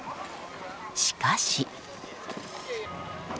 しかし。